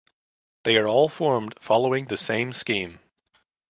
They are all formed following the same scheme.